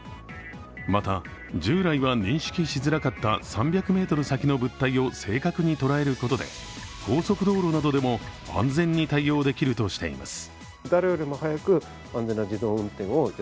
また、従来は認識しづらかった３００ｍ先の物体を正確に捉えることで高速道路などでも安全に対応できるとしています。